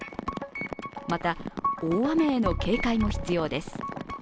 また大雨への警戒も必要です。